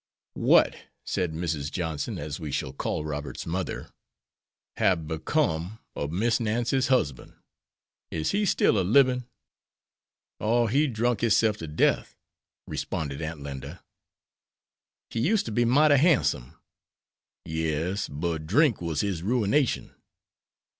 "What," said Mrs. Johnson, as we shall call Robert's mother, "hab become ob Miss Nancy's husband? Is he still a libin'?" "Oh, he drunk hisself to death," responded Aunt Linda. "He used ter be mighty handsome." "Yes, but drink war his ruination."